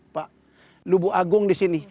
pak lubu agung di sini